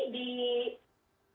dalam bidang hukum